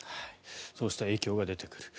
そうした影響が出てくる。